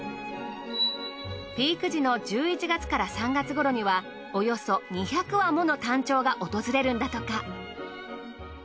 ピーク時の１１月から３月頃にはおよそ２００羽ものタンチョウが訪れるんだとか。